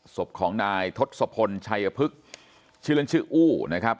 ศพของนายทศพลชัยพฤกษ์ชื่อเล่นชื่ออู้นะครับ